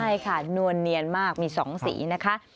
ใช่ค่ะนวลเนียนมากมี๒สีนะคะ